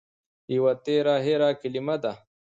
يوه تېره هېره کلمه ده